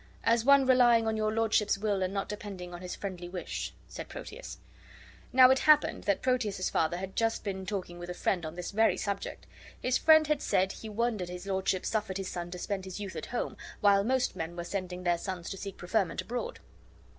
"As one relying on your lordship's will and not depending on his friendly wish," said Proteus. Now it had happened that Proteus's father had just been talking with a friend on this very subject. His friend had said he wondered his lordship suffered his son to spend his youth at home while most men were sending their sons to seek preferment abroad.